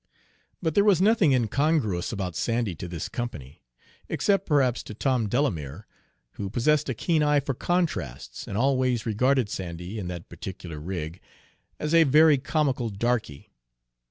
But there was nothing incongruous about Sandy to this company, except perhaps to Tom Delamere, who possessed a keen eye for contrasts and always regarded Sandy, in that particular rig, as a very comical darkey.